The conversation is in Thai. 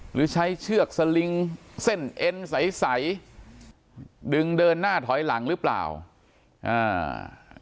หรือใช้เชือกสลงเส้นเอ็นใสดึงเดินหน้าถอยหลังก็จริง